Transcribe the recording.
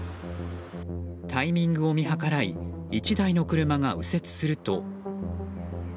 タイミングを見計らい１台の車が右折すると。